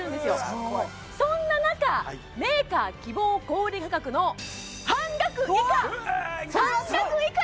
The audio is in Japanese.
そうそんな中メーカー希望小売価格のはい半額以下！